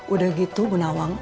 udah gitu bu nawang